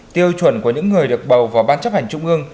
tiêu chuẩn của những người được bầu vào ban chấp hành trung ương